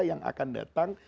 yang akan datang